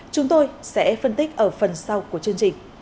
chúng tôi sẽ phân tích ở phần sau của chương trình